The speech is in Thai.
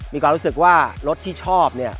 มีความรู้สึกว่ารถที่ชอบเนี่ย